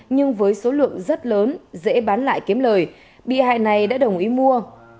nhưng với số lượng rất lớn dễ bán lại kiếm lời bị hại này đã đồng ý mua